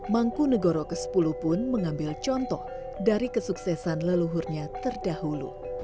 mangku negoro ke sepuluh pun mengambil contoh dari kesuksesan leluhurnya terdahulu